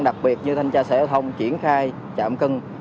đặc biệt như thanh tra xã hội thông triển khai chạm cân